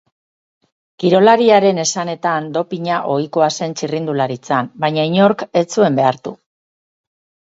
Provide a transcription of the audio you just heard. Kirolariaren esanetan, dopina ohikoa zen txirrindularitzan, baina inork ez zuen behartu.